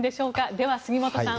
では、杉本さん